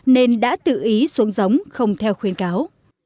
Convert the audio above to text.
nên đã tự ý xuống giống không theo khuyến cáo